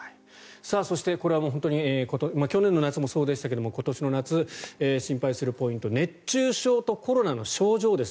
そして、これは去年の夏もそうでしたが今年の夏心配するポイント熱中症とコロナの症状です。